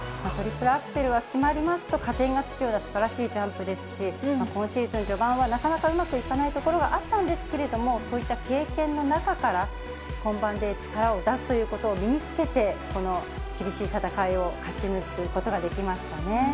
トリプルアクセルが決まりますと、加点がつくようなすばらしいジャンプですし、今シーズン序盤はなかなかうまくいかないところがあったんですけど、そういった経験の中から、本番で力を出すということを身につけて、この厳しい戦いを勝ち抜くということができましたね。